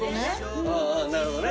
なるほどね。